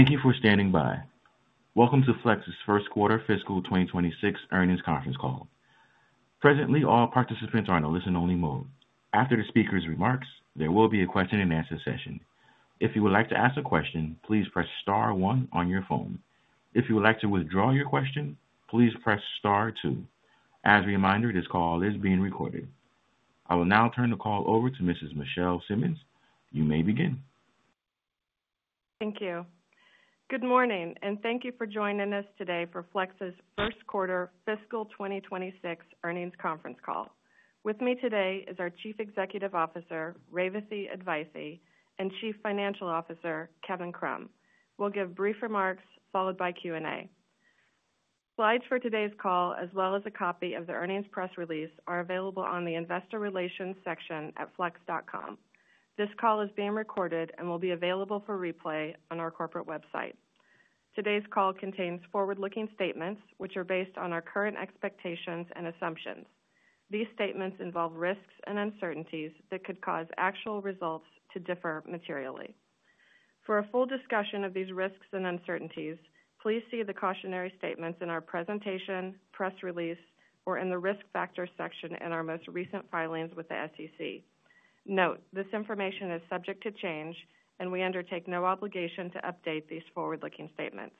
Thank you for standing by. Welcome to Flex's First Quarter Fiscal 2026 Earnings Conference Call. Presently, all participants are in a listen-only mode. After the speaker's remarks, there will be a question-and-answer session. If you would like to ask a question, please press star one on your phone. If you would like to withdraw your question, please press star two. As a reminder, this call is being recorded. I will now turn the call over to Mrs. Michelle Simmons. You may begin. Thank you. Good morning, and thank you for joining us today for Flex's First Quarter Fiscal 2026 Earnings Conference Call. With me today is our Chief Executive Officer, Revathi Advaithi, and Chief Financial Officer, Kevin Krumm. We'll give brief remarks followed by Q&A. Slides for today's call, as well as a copy of the earnings press release, are available on the Investor Relations section at flex.com. This call is being recorded and will be available for replay on our corporate website. Today's call contains forward-looking statements, which are based on our current expectations and assumptions. These statements involve risks and uncertainties that could cause actual results to differ materially. For a full discussion of these risks and uncertainties, please see the cautionary statements in our presentation, press release, or in the risk factor section in our most recent filings with the SEC. Note, this information is subject to change, and we undertake no obligation to update these forward-looking statements.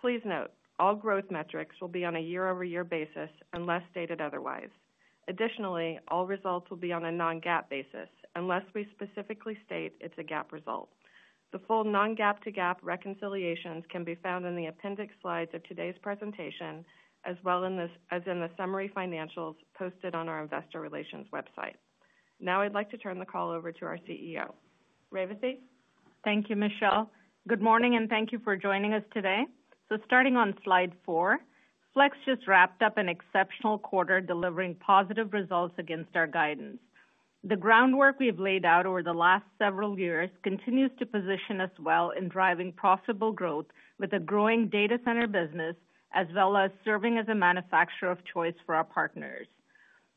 Please note, all growth metrics will be on a year-over-year basis unless stated otherwise. Additionally, all results will be on a non-GAAP basis unless we specifically state it's a GAAP result. The full non-GAAP to GAAP reconciliations can be found in the appendix slides of today's presentation, as well as in the summary financials posted on our Investor Relations website. Now I'd like to turn the call over to our CEO, Revathi. Thank you, Michelle. Good morning, and thank you for joining us today. Starting on slide four, Flex just wrapped up an exceptional quarter delivering positive results against our guidance. The groundwork we've laid out over the last several years continues to position us well in driving profitable growth with a growing data center business, as well as serving as a manufacturer of choice for our partners.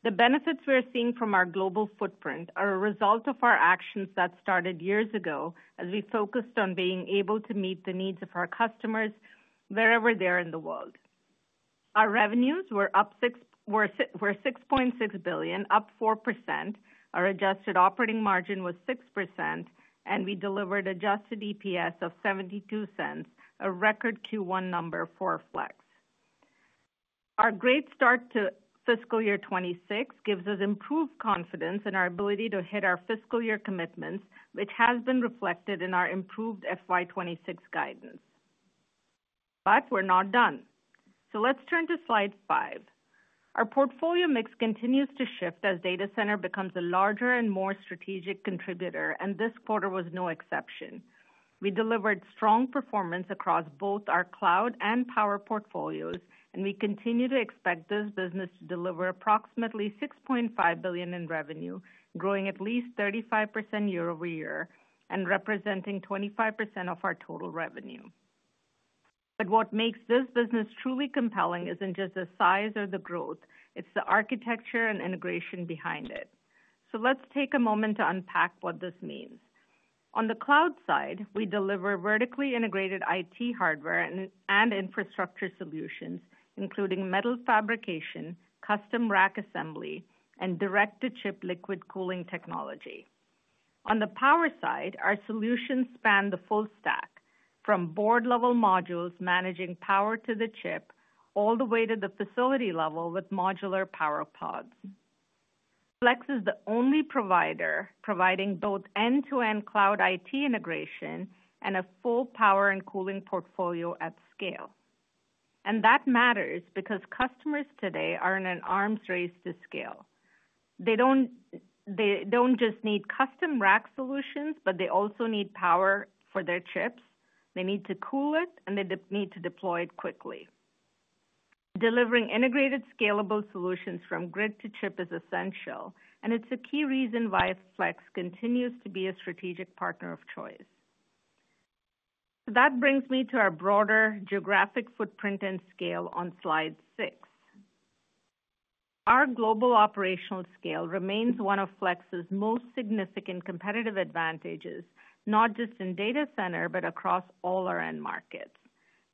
The benefits we're seeing from our global footprint are a result of our actions that started years ago as we focused on being able to meet the needs of our customers wherever they are in the world. Our revenues were $6.6 billion, up 4%. Our adjusted operating margin was 6%, and we delivered adjusted EPS of $0.72, a record Q1 number for Flex. Our great start to fiscal year 2026 gives us improved confidence in our ability to hit our fiscal year commitments, which has been reflected in our improved FY26 guidance. We're not done. Let's turn to slide five. Our portfolio mix continues to shift as data center becomes a larger and more strategic contributor, and this quarter was no exception. We delivered strong performance across both our cloud and power portfolios, and we continue to expect this business to deliver approximately $6.5 billion in revenue, growing at least 35% year-over-year and representing 25% of our total revenue. What makes this business truly compelling isn't just the size or the growth; it's the architecture and integration behind it. Let's take a moment to unpack what this means. On the cloud side, we deliver vertically integrated IT hardware and infrastructure solutions, including metal fabrication, custom rack assembly, and direct-to-chip liquid cooling technology. On the power side, our solutions span the full stack, from board-level modules managing power to the chip, all the way to the facility level with modular power pods. Flex is the only provider providing both end-to-end cloud IT integration and a full power and cooling portfolio at scale. That matters because customers today are in an arms race to scale. They don't just need custom rack solutions, but they also need power for their chips. They need to cool it, and they need to deploy it quickly. Delivering integrated, scalable solutions from grid to chip is essential, and it's a key reason why Flex continues to be a strategic partner of choice. That brings me to our broader geographic footprint and scale on slide six. Our global operational scale remains one of Flex's most significant competitive advantages, not just in data center, but across all our end markets.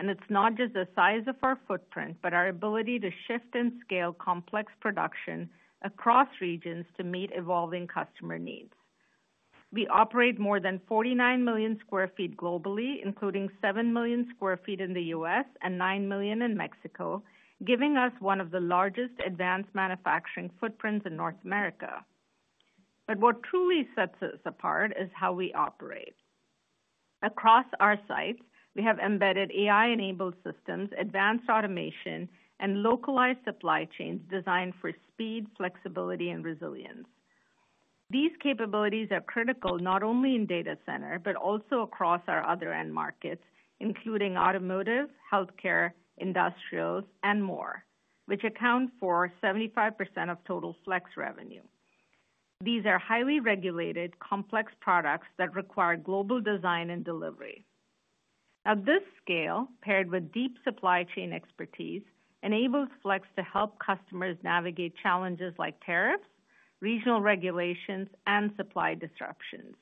It's not just the size of our footprint, but our ability to shift and scale complex production across regions to meet evolving customer needs. We o.perate more than 49 million sq ft globally, including 7 million sq ft in the U.S. and 9 million in Mexico, giving us one of the largest advanced manufacturing footprints in North America. What truly sets us apart is how we operate. Across our sites, we have embedded AI-enabled systems, advanced automation, and localized supply chains designed for speed, flexibility, and resilience. These capabilities are critical not only in data center, but also across our other end markets, including automotive, healthcare, industrials, and more, which account for 75% of total Flex revenue. These are highly regulated, complex products that require global design and delivery. This scale, paired with deep supply chain expertise, enables Flex to help customers navigate challenges like tariffs, regional regulations, and supply disruptions.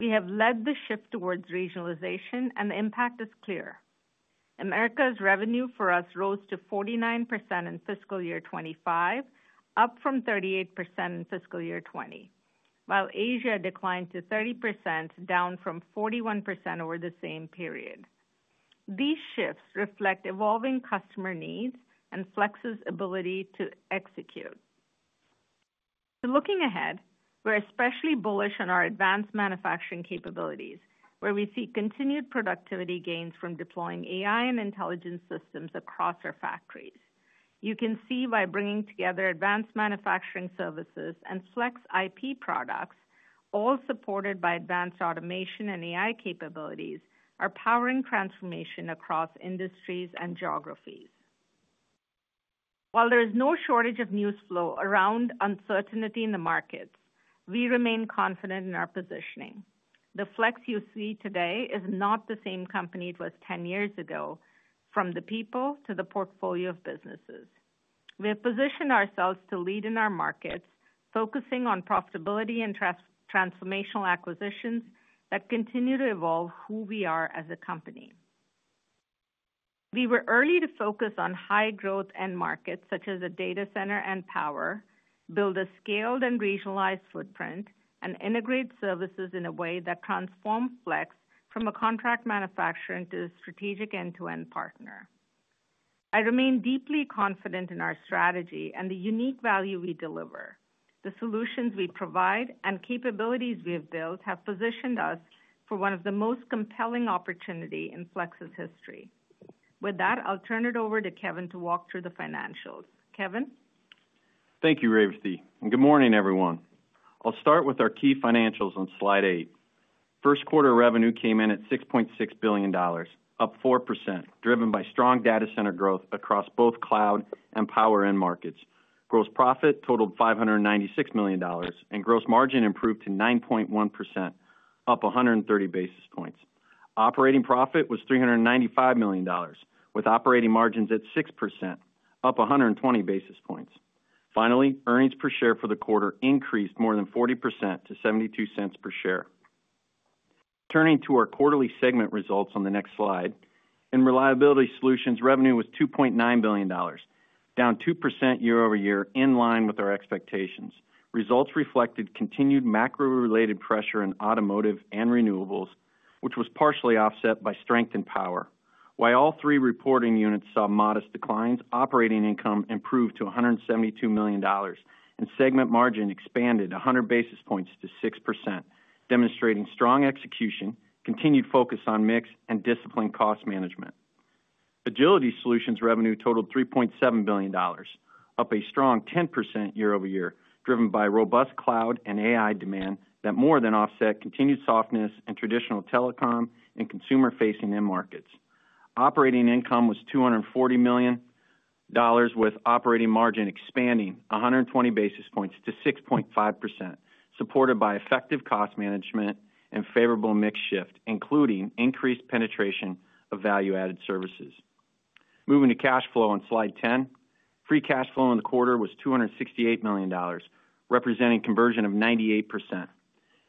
We have led the shift towards regionalization, and the impact is clear. America's revenue for us rose to 49% in fiscal year 2025, up from 38% in fiscal year 2020, while Asia declined to 30%, down from 41% over the same period. These shifts reflect evolving customer needs and Flex's ability to execute. Looking ahead, we're especially bullish on our advanced manufacturing capabilities, where we see continued productivity gains from deploying AI and intelligence systems across our factories. You can see by bringing together advanced manufacturing services and Flex IP products, all supported by advanced automation and AI capabilities, we are powering transformation across industries and geographies. While there is no shortage of news flow around uncertainty in the markets, we remain confident in our positioning. The Flex you see today is not the same company it was 10 years ago, from the people to the portfolio of businesses. We have positioned ourselves to lead in our markets, focusing on profitability and transformational acquisitions that continue to evolve who we are as a company. We were early to focus on high-growth end markets such as data center and power, build a scaled and regionalized footprint, and integrate services in a way that transforms Flex from a contract manufacturer to a strategic end-to-end partner. I remain deeply confident in our strategy and the unique value we deliver. The solutions we provide and capabilities we have built have positioned us for one of the most compelling opportunities in Flex's history. With that, I'll turn it over to Kevin to walk through the financials. Kevin. Thank you, Revathi. Good morning, everyone. I'll start with our key financials on slide eight. First quarter revenue came in at $6.6 billion, up 4%, driven by strong data center growth across both cloud and power end markets. Gross profit totaled $596 million, and gross margin improved to 9.1%, up 130 basis points. Operating profit was $395 million, with operating margins at 6%, up 120 basis points. Finally, earnings per share for the quarter increased more than 40% to $0.72 per share. Turning to our quarterly segment results on the next slide, in Reliability Solutions, revenue was $2.9 billion, down 2% year over year, in line with our expectations. Results reflected continued macro-related pressure in automotive and renewables, which was partially offset by strength in power. While all three reporting units saw modest declines, operating income improved to $172 million, and segment margin expanded 100 basis points to 6%, demonstrating strong execution, continued focus on mix, and disciplined cost management. Agility Solutions revenue totaled $3.7 billion, up a strong 10% year over year, driven by robust cloud and AI demand that more than offset continued softness in traditional telecom and consumer-facing end markets. Operating income was $240 million, with operating margin expanding 120 basis points to 6.5%, supported by effective cost management and favorable mix shift, including increased penetration of value-added services. Moving to cash flow on slide 10, free cash flow in the quarter was $268 million, representing conversion of 98%.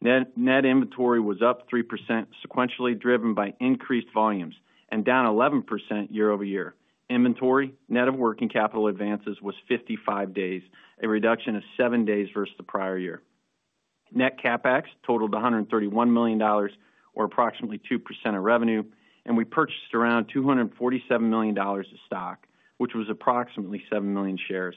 Net inventory was up 3% sequentially, driven by increased volumes, and down 11% year over year. Inventory, net of working capital advances, was 55 days, a reduction of 7 days versus the prior year. Net CapEx totaled $131 million, or approximately 2% of revenue, and we purchased around $247 million of stock, which was approximately 7 million shares.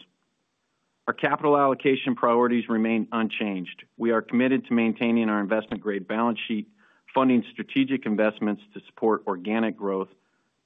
Our capital allocation priorities remain unchanged. We are committed to maintaining our investment-grade balance sheet, funding strategic investments to support organic growth,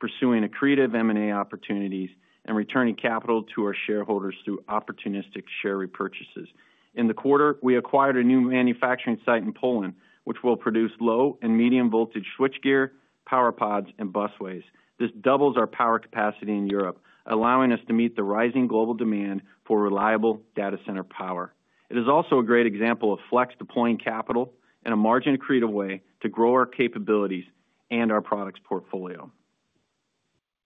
pursuing accretive M&A opportunities, and returning capital to our shareholders through opportunistic share repurchases. In the quarter, we acquired a new manufacturing site in Poland, which will produce low- and medium-voltage switchgear, power pods, and busways. This doubles our power capacity in Europe, allowing us to meet the rising global demand for reliable data center power. It is also a great example of Flex deploying capital in a margin-accretive way to grow our capabilities and our products portfolio.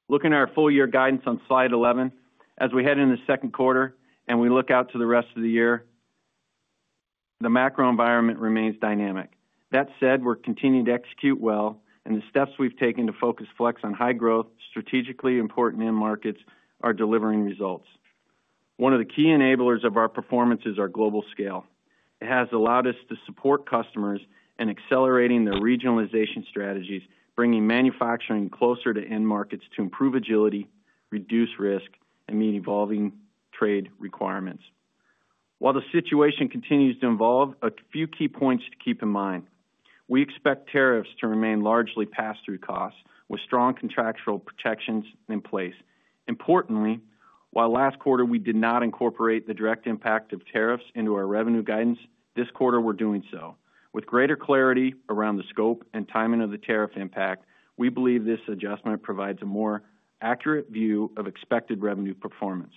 Looking at our full-year guidance on slide 11, as we head into the second quarter and we look out to the rest of the year, the macro environment remains dynamic. That said, we're continuing to execute well, and the steps we've taken to focus Flex on high growth, strategically important end markets, are delivering results. One of the key enablers of our performance is our global scale. It has allowed us to support customers in accelerating their regionalization strategies, bringing manufacturing closer to end markets to improve agility, reduce risk, and meet evolving trade requirements. While the situation continues to evolve, a few key points to keep in mind. We expect tariffs to remain largely pass-through costs with strong contractual protections in place. Importantly, while last quarter we did not incorporate the direct impact of tariffs into our revenue guidance, this quarter we're doing so. With greater clarity around the scope and timing of the tariff impact, we believe this adjustment provides a more accurate view of expected revenue performance.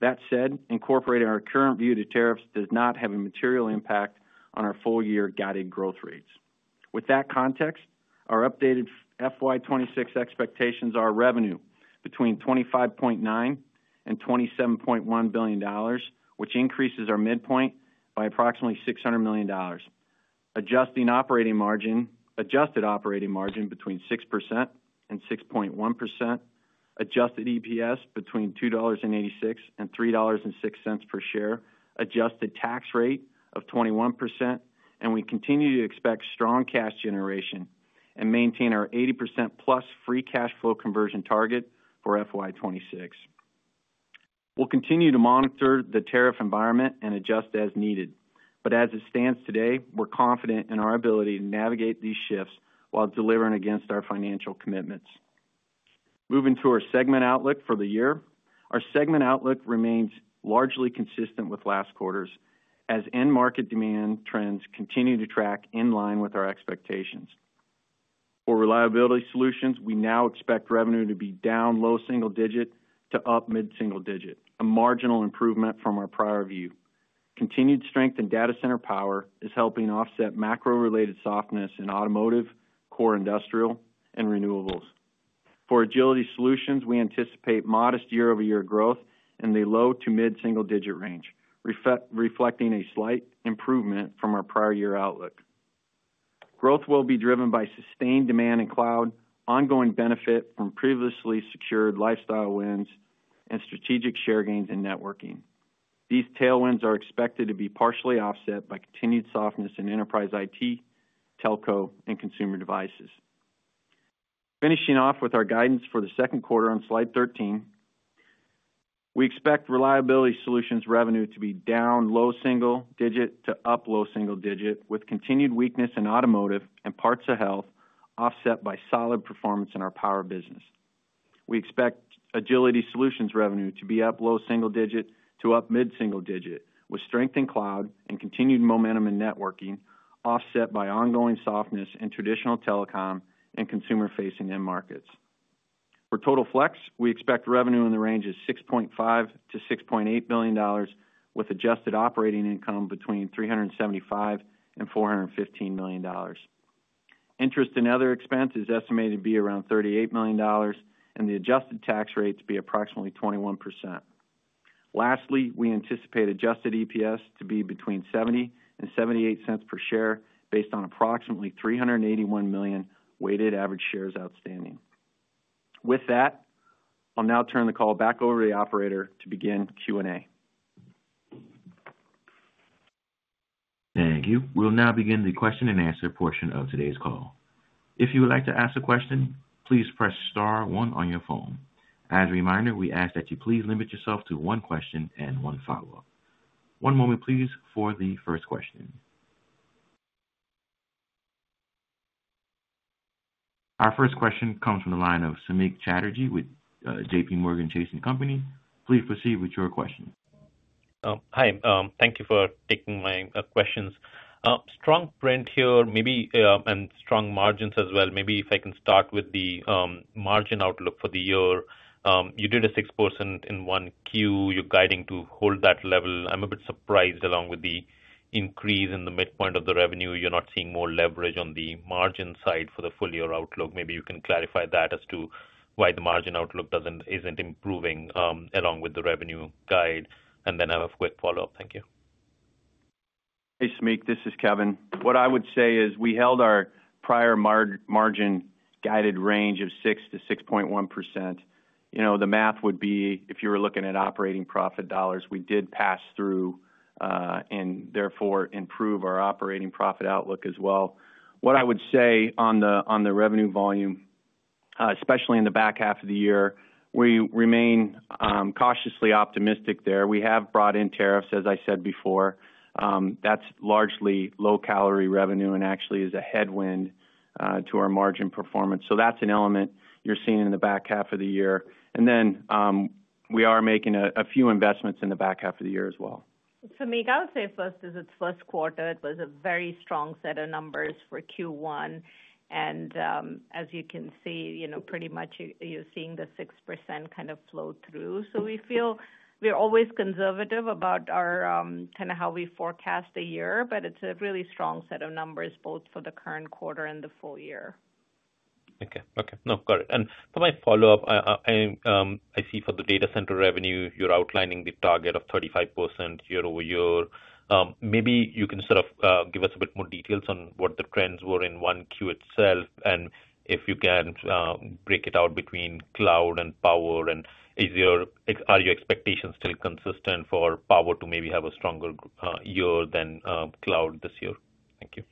That said, incorporating our current view to tariffs does not have a material impact on our full-year guided growth rates. With that context, our updated FY 2026 expectations are revenue between $25.9 billion and $27.1 billion, which increases our midpoint by approximately $600 million. Adjusted operating margin between 6% and 6.1%, adjusted EPS between $2.86 and $3.06 per share, adjusted tax rate of 21%, and we continue to expect strong cash generation and maintain our 80% plus free cash flow conversion target for FY 2026. We'll continue to monitor the tariff environment and adjust as needed. As it stands today, we're confident in our ability to navigate these shifts while delivering against our financial commitments. Moving to our segment outlook for the year, our segment outlook remains largely consistent with last quarter's as end market demand trends continue to track in line with our expectations. For Reliability Solutions, we now expect revenue to be down low single digit to up mid-single digit, a marginal improvement from our prior view. Continued strength in data center power is helping offset macro-related softness in automotive, core industrial, and renewables. For Agility Solutions, we anticipate modest year-over-year growth in the low to mid-single digit range, reflecting a slight improvement from our prior year outlook. Growth will be driven by sustained demand in cloud, ongoing benefit from previously secured lifestyle wins, and strategic share gains in networking. These tailwinds are expected to be partially offset by continued softness in enterprise IT, telco, and consumer devices. Finishing off with our guidance for the second quarter on slide 13. We expect Reliability Solutions revenue to be down low single digit to up low single digit, with continued weakness in automotive and parts of health offset by solid performance in our power business. We expect Agility Solutions revenue to be up low single digit to up mid-single digit, with strength in cloud and continued momentum in networking offset by ongoing softness in traditional telecom and consumer-facing end markets. For total Flex, we expect revenue in the range of $6.5 billion-$6.8 billion, with adjusted operating income between $375 million and $415 million. Interest and other expenses estimated to be around $38 million, and the adjusted tax rate to be approximately 21%. Lastly, we anticipate adjusted EPS to be between $0.70 and $0.78 per share based on approximately $381 million weighted average shares outstanding. With that. I'll now turn the call back over to the operator to begin Q&A. Thank you. We'll now begin the question-and-answer portion of today's call. If you would like to ask a question, please press star one on your phone. As a reminder, we ask that you please limit yourself to one question and one follow-up. One moment, please, for the first question. Our first question comes from the line of Samik Chatterjee with JPMorgan Chase & Company. Please proceed with your question. Hi. Thank you for taking my questions. Strong print here, maybe, and strong margins as well. Maybe if I can start with the margin outlook for the year. You did a 6% in 1Q. You're guiding to hold that level. I'm a bit surprised, along with the increase in the midpoint of the revenue, you're not seeing more leverage on the margin side for the full-year outlook. Maybe you can clarify that as to why the margin outlook isn't improving along with the revenue guide. I have a quick follow-up. Thank you. Hey, Samik. This is Kevin. What I would say is we held our prior margin-guided range of 6%-6.1%. The math would be, if you were looking at operating profit dollars, we did pass through. And therefore improve our operating profit outlook as well. What I would say on the revenue volume, especially in the back half of the year, we remain cautiously optimistic there. We have brought in tariffs, as I said before. That's largely low-calorie revenue and actually is a headwind to our margin performance. So that's an element you're seeing in the back half of the year. And then we are making a few investments in the back half of the year as well. Samik, I would say first is its first quarter. It was a very strong set of numbers for Q1. As you can see, pretty much you're seeing the 6% kind of flow through. We feel we're always conservative about kind of how we forecast the year, but it's a really strong set of numbers both for the current quarter and the full year. Okay. Okay. No, got it. For my follow-up, I see for the data center revenue, you're outlining the target of 35% year-over-year. Maybe you can sort of give us a bit more details on what the trends were in 1Q itself, and if you can break it out between cloud and power. Are your expectations still consistent for power to maybe have a stronger year than cloud this year? Thank you.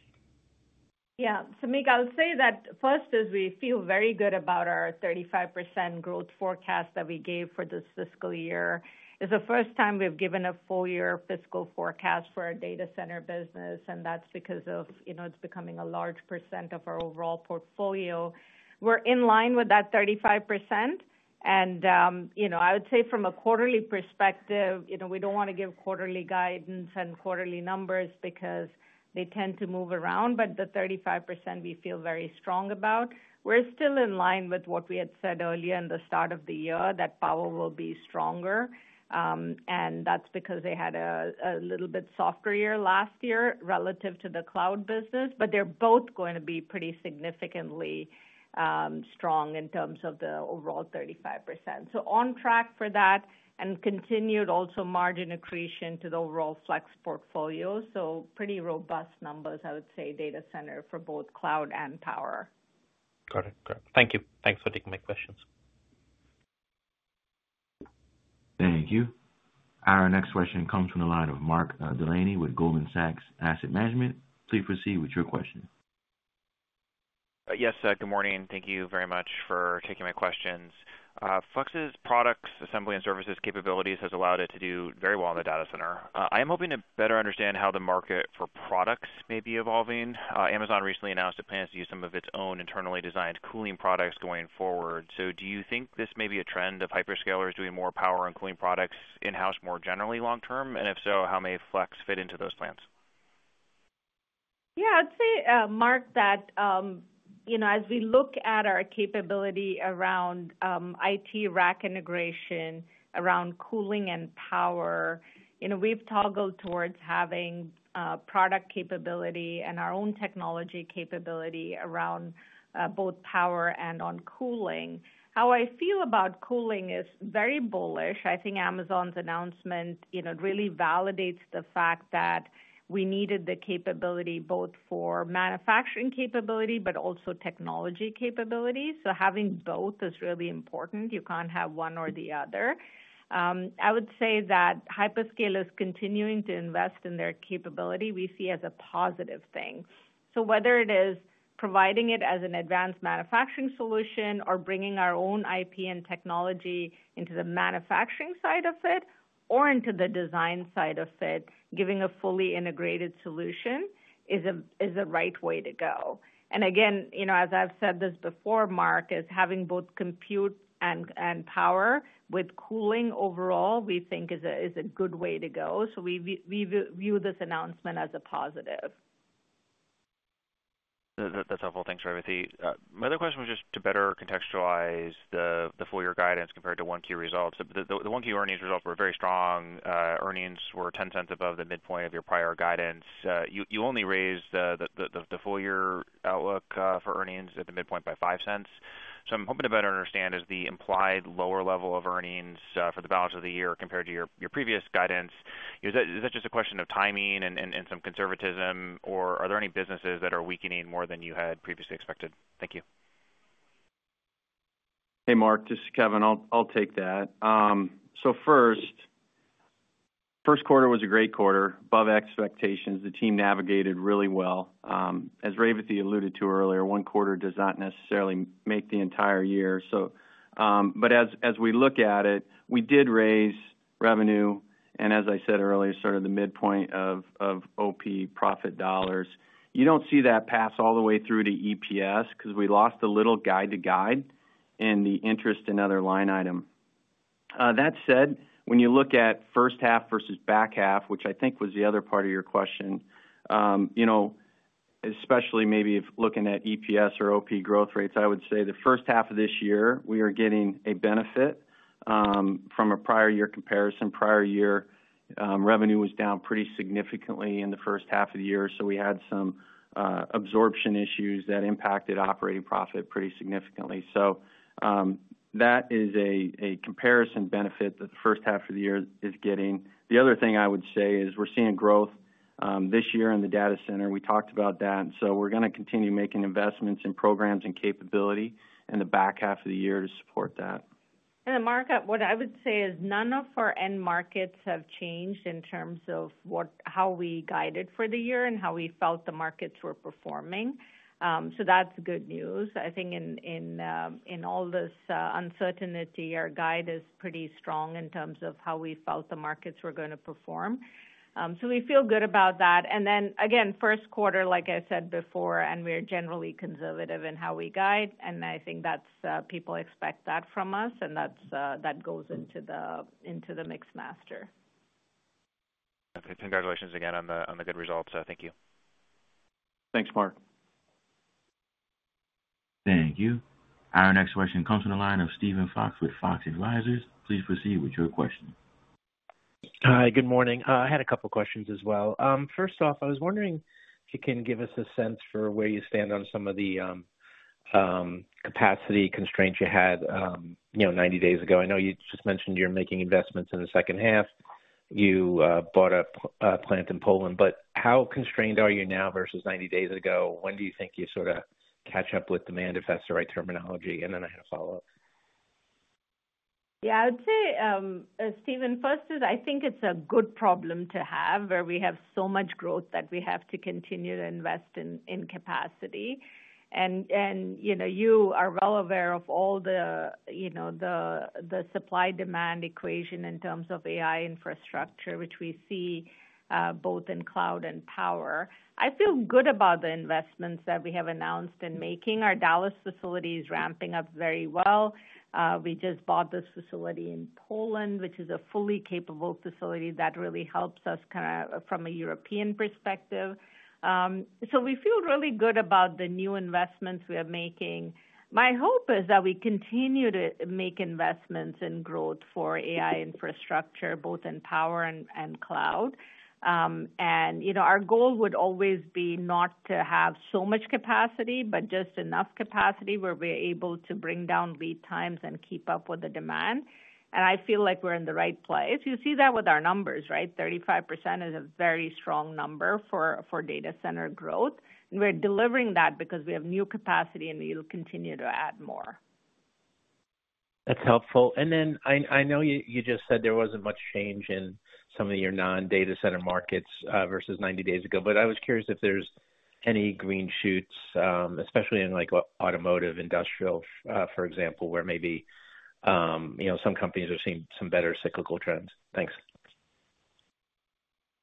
Yeah. Samik, I'll say that first is we feel very good about our 35% growth forecast that we gave for this fiscal year. It's the first time we've given a full-year fiscal forecast for our data center business, and that's because it's becoming a large percent of our overall portfolio. We're in line with that 35%. I would say from a quarterly perspective, we don't want to give quarterly guidance and quarterly numbers because they tend to move around, but the 35% we feel very strong about. We're still in line with what we had said earlier in the start of the year that power will be stronger. That's because they had a little bit softer year last year relative to the cloud business, but they're both going to be pretty significantly strong in terms of the overall 35%. On track for that and continued also margin accretion to the overall Flex portfolio. Pretty robust numbers, I would say, data center for both cloud and power. Got it. Got it. Thank you. Thanks for taking my questions. Thank you. Our next question comes from the line of Mark Delaney with Goldman Sachs Asset Management. Please proceed with your question. Yes. Good morning. Thank you very much for taking my questions. Flex's products, assembly, and services capabilities have allowed it to do very well in the data center. I am hoping to better understand how the market for products may be evolving. Amazon recently announced it plans to use some of its own internally designed cooling products going forward. Do you think this may be a trend of hyperscalers doing more power and cooling products in-house more generally long-term? If so, how may Flex fit into those plans? Yeah. I'd say, Mark, that as we look at our capability around IT rack integration, around cooling and power, we've toggled towards having product capability and our own technology capability around both power and on cooling. How I feel about cooling is very bullish. I think Amazon's announcement really validates the fact that we needed the capability both for manufacturing capability but also technology capability. Having both is really important. You can't have one or the other. I would say that hyperscalers continuing to invest in their capability, we see as a positive thing. Whether it is providing it as an advanced manufacturing solution or bringing our own IP and technology into the manufacturing side of it or into the design side of it, giving a fully integrated solution is the right way to go. Again, as I've said this before, Mark, having both compute and power with cooling overall, we think, is a good way to go. We view this announcement as a positive. That's helpful. Thanks, Rarity. My other question was just to better contextualize the full-year guidance compared to 1Q results. The one Q earnings results were very strong. Earnings were $0.10 above the midpoint of your prior guidance. You only raised the full-year outlook for earnings at the midpoint by $0.05. I'm hoping to better understand, is the implied lower level of earnings for the balance of the year compared to your previous guidance just a question of timing and some conservatism, or are there any businesses that are weakening more than you had previously expected? Thank you. Hey, Mark. This is Kevin. I'll take that. First quarter was a great quarter. Above expectations. The team navigated really well. As Revathi alluded to earlier, one quarter does not necessarily make the entire year. As we look at it, we did raise revenue. As I said earlier, sort of the midpoint of OP profit dollars. You do not see that pass all the way through to EPS because we lost a little guide to guide in the interest and other line items. That said, when you look at first half versus back half, which I think was the other part of your question, especially maybe if looking at EPS or OP growth rates, I would say the first half of this year, we are getting a benefit from a prior year comparison. Prior year, revenue was down pretty significantly in the first half of the year. We had some absorption issues that impacted operating profit pretty significantly. That is a comparison benefit that the first half of the year is getting. The other thing I would say is we are seeing growth this year in the data center. We talked about that. We are going to continue making investments in programs and capability in the back half of the year to support that. Mark, what I would say is none of our end markets have changed in terms of how we guided for the year and how we felt the markets were performing. That is good news. I think in all this uncertainty, our guide is pretty strong in terms of how we felt the markets were going to perform. We feel good about that. Then again, first quarter, like I said before, we are generally conservative in how we guide. I think people expect that from us. That goes into the mixed master. Okay. Congratulations again on the good results. Thank you. Thanks, Mark. Thank you. Our next question comes from the line of Steven Fox with Fox Advisors. Please proceed with your question. Hi. Good morning. I had a couple of questions as well. First off, I was wondering if you can give us a sense for where you stand on some of the capacity constraints you had 90 days ago. I know you just mentioned you're making investments in the second half. You bought a plant in Poland. How constrained are you now versus 90 days ago? When do you think you sort of catch up with demand, if that's the right terminology? I had a follow-up. Yeah. I would say, Steven, first is I think it's a good problem to have where we have so much growth that we have to continue to invest in capacity. You are well aware of all the supply-demand equation in terms of AI infrastructure, which we see both in cloud and power. I feel good about the investments that we have announced in making. Our Dallas facility is ramping up very well. We just bought this facility in Poland, which is a fully capable facility that really helps us kind of from a European perspective. We feel really good about the new investments we are making. My hope is that we continue to make investments in growth for AI infrastructure, both in power and cloud. Our goal would always be not to have so much capacity, but just enough capacity where we're able to bring down lead times and keep up with the demand. I feel like we're in the right place. You see that with our numbers, right? 35% is a very strong number for data center growth. We're delivering that because we have new capacity, and we'll continue to add more. That's helpful. I know you just said there was not much change in some of your non-data center markets versus 90 days ago. I was curious if there are any green shoots, especially in automotive industrial, for example, where maybe some companies are seeing some better cyclical trends. Thanks.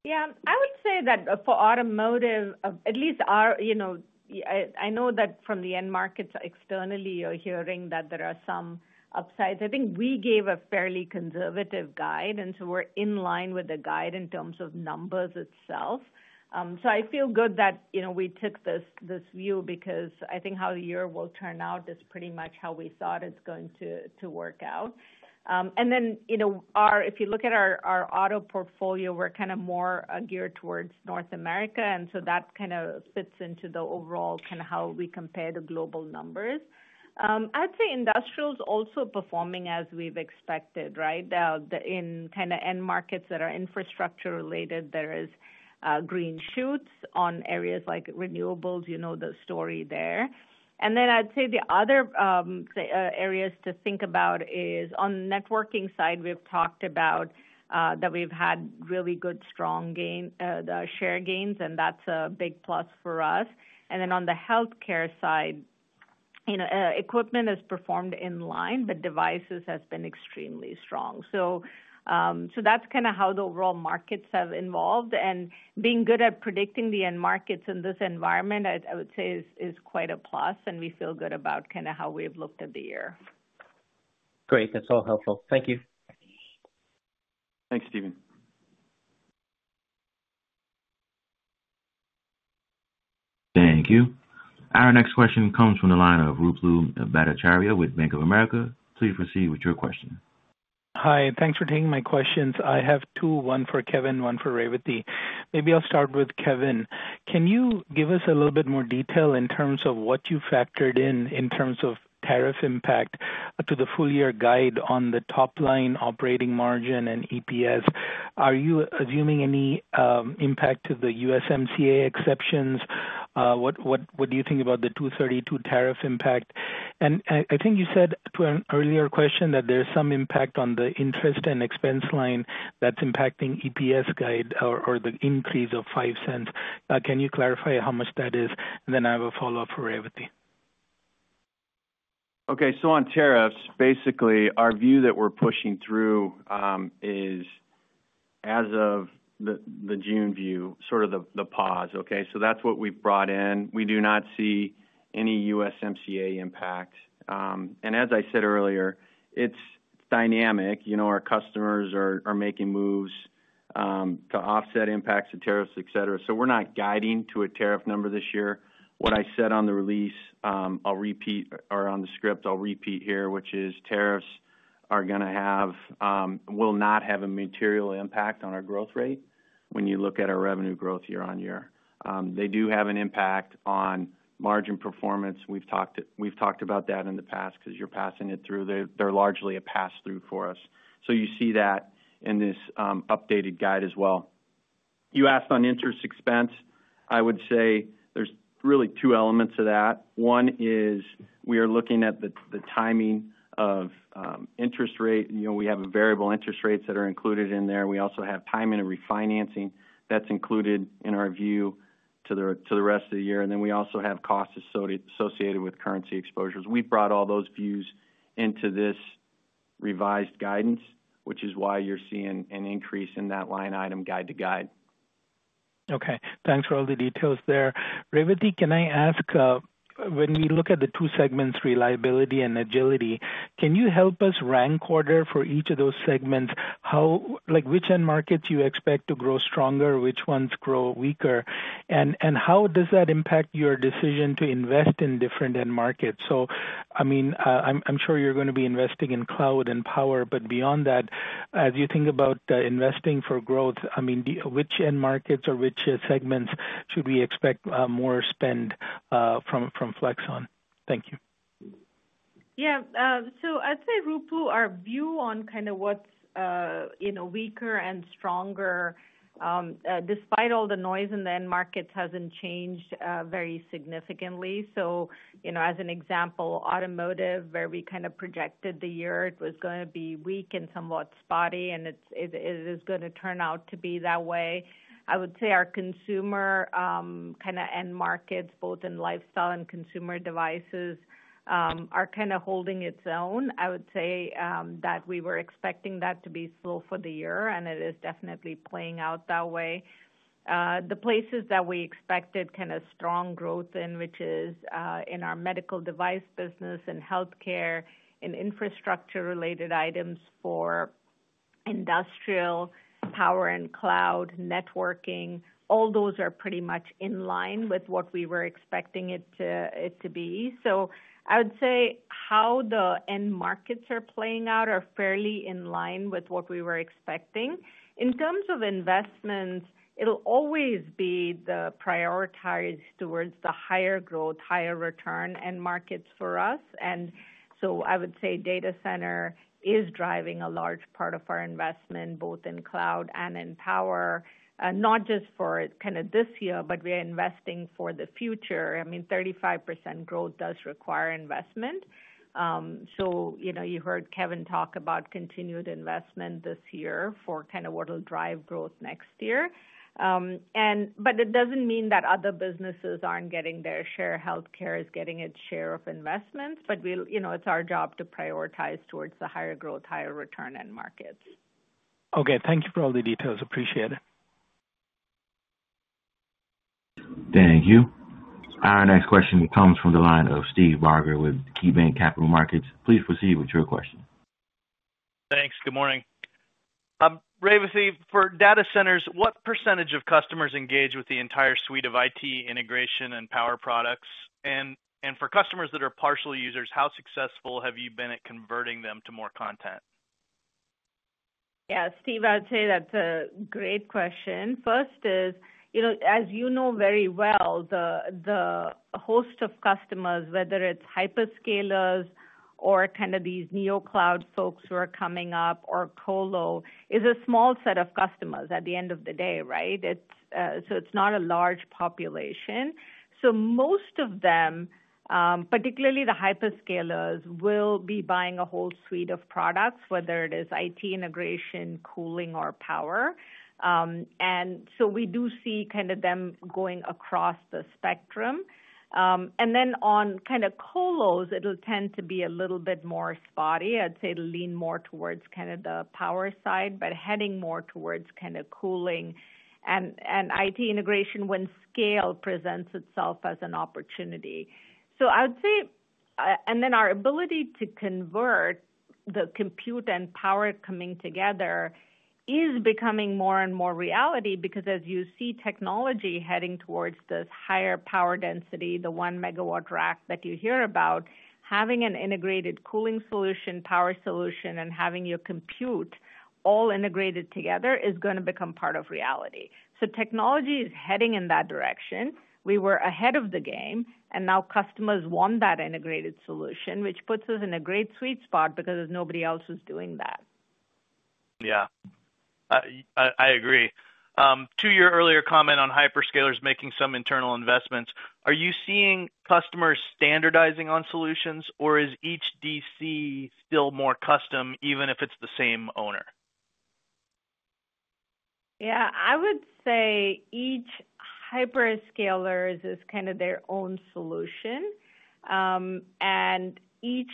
Yeah. I would say that for automotive, at least. I know that from the end markets externally, you're hearing that there are some upsides. I think we gave a fairly conservative guide. We are in line with the guide in terms of numbers itself. I feel good that we took this view because I think how the year will turn out is pretty much how we thought it's going to work out. If you look at our auto portfolio, we're kind of more geared towards North America. That kind of fits into the overall kind of how we compare the global numbers. I'd say industrial is also performing as we've expected, right? In kind of end markets that are infrastructure related, there is green shoots on areas like renewables. You know the story there. I'd say the other areas to think about is on the networking side, we've talked about that we've had really good strong share gains. That's a big plus for us. On the healthcare side, equipment has performed in line, but devices have been extremely strong. That's kind of how the overall markets have evolved. Being good at predicting the end markets in this environment, I would say, is quite a plus. We feel good about kind of how we've looked at the year. Great. That's all helpful. Thank you. Thanks, Steven. Thank you. Our next question comes from the line of Ruplu Bhattacharya with Bank of America. Please proceed with your question. Hi. Thanks for taking my questions. I have two, one for Kevin, one for Revathi. Maybe I'll start with Kevin. Can you give us a little bit more detail in terms of what you factored in in terms of tariff impact to the full-year guide on the top-line operating margin and EPS? Are you assuming any impact to the USMCA exceptions? What do you think about the 232 tariff impact? I think you said to an earlier question that there's some impact on the interest and expense line that's impacting EPS guide or the increase of 5 cents. Can you clarify how much that is? I have a follow-up for Revathi. Okay. On tariffs, basically, our view that we are pushing through is, as of the June view, sort of the pause, okay? That is what we have brought in. We do not see any USMCA impact. As I said earlier, it is dynamic. Our customers are making moves to offset impacts of tariffs, etc. We are not guiding to a tariff number this year. What I said on the release, I will repeat, or on the script, I will repeat here, which is tariffs are going to have, will not have a material impact on our growth rate when you look at our revenue growth year over year. They do have an impact on margin performance. We have talked about that in the past because you are passing it through. They are largely a pass-through for us. You see that in this updated guide as well. You asked on interest expense. I would say there are really two elements of that. One is we are looking at the timing of interest rate. We have variable interest rates that are included in there. We also have time and refinancing that is included in our view to the rest of the year. Then we also have costs associated with currency exposures. We have brought all those views into this revised guidance, which is why you are seeing an increase in that line item guide to guide. Okay. Thanks for all the details there. Revathi, can I ask, when we look at the two segments, Reliability and Agility, can you help us rank order for each of those segments? Which end markets do you expect to grow stronger, which ones grow weaker, and how does that impact your decision to invest in different end markets? I mean, I'm sure you're going to be investing in cloud and power. Beyond that, as you think about investing for growth, which end markets or which segments should we expect more spend from Flex on? Thank you. Yeah. I'd say, Rupal, our view on kind of what's weaker and stronger, despite all the noise in the end markets, hasn't changed very significantly. As an example, automotive, where we kind of projected the year it was going to be weak and somewhat spotty, it is going to turn out to be that way. I would say our consumer kind of end markets, both in lifestyle and consumer devices, are kind of holding their own. I would say that we were expecting that to be slow for the year, and it is definitely playing out that way. The places that we expected kind of strong growth in, which is in our medical device business and healthcare and infrastructure-related items for industrial, power, and cloud networking, all those are pretty much in line with what we were expecting it to be. I would say how the end markets are playing out are fairly in line with what we were expecting. In terms of investments, it'll always be prioritized towards the higher growth, higher return end markets for us. I would say data center is driving a large part of our investment, both in cloud and in power, not just for this year, but we're investing for the future. I mean, 35% growth does require investment. You heard Kevin talk about continued investment this year for what will drive growth next year. It doesn't mean that other businesses aren't getting their share. Healthcare is getting its share of investments. It's our job to prioritize towards the higher growth, higher return end markets. Okay. Thank you for all the details. Appreciate it. Thank you. Our next question comes from the line of Steve Barger with KeyBanc Capital Markets. Please proceed with your question. Thanks. Good morning. Revathi, for data centers, what percentage of customers engage with the entire suite of IT integration and power products? For customers that are partial users, how successful have you been at converting them to more content? Yeah. Steve, I'd say that's a great question. First is, as you know very well, the host of customers, whether it's hyperscalers or kind of these neocloud folks who are coming up or colo, is a small set of customers at the end of the day, right? So it's not a large population. Most of them, particularly the hyperscalers, will be buying a whole suite of products, whether it is IT integration, cooling, or power. We do see kind of them going across the spectrum. On kind of colos, it'll tend to be a little bit more spotty. I'd say it'll lean more towards kind of the power side, but heading more towards kind of cooling and IT integration when scale presents itself as an opportunity. I would say our ability to convert the compute and power coming together is becoming more and more reality because, as you see technology heading towards this higher power density, the 1 MW rack that you hear about, having an integrated cooling solution, power solution, and having your compute all integrated together is going to become part of reality. Technology is heading in that direction. We were ahead of the game, and now customers want that integrated solution, which puts us in a great sweet spot because nobody else is doing that. Yeah. I agree. To your earlier comment on hyperscalers making some internal investments, are you seeing customers standardizing on solutions, or is each DC still more custom, even if it's the same owner? Yeah. I would say each hyperscaler is kind of their own solution. And each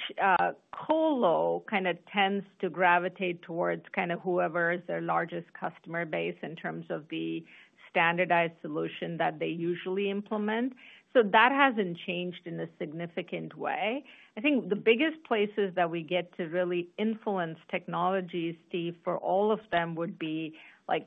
colo kind of tends to gravitate towards kind of whoever is their largest customer base in terms of the standardized solution that they usually implement. That has not changed in a significant way. I think the biggest places that we get to really influence technology, Steve, for all of them would be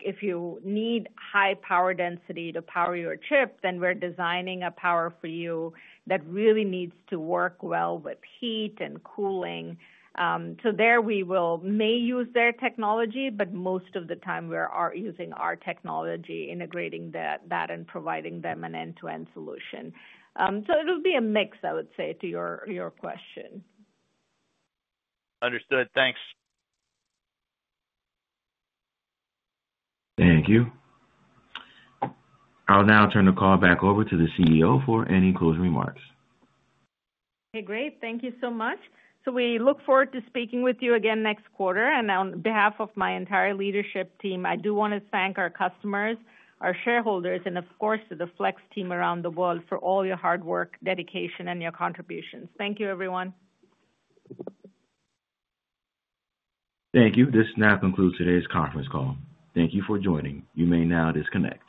if you need high power density to power your chip, then we are designing a power for you that really needs to work well with heat and cooling. There we may use their technology, but most of the time we are using our technology, integrating that and providing them an end-to-end solution. It will be a mix, I would say, to your question. Understood. Thanks. Thank you. I'll now turn the call back over to the CEO for any closing remarks. Okay. Great. Thank you so much. We look forward to speaking with you again next quarter. On behalf of my entire leadership team, I do want to thank our customers, our shareholders, and of course, the Flex team around the world for all your hard work, dedication, and your contributions. Thank you, everyone. Thank you. This now concludes today's conference call. Thank you for joining. You may now disconnect.